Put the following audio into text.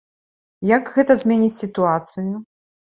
Як гэта зменіць сітуацыю?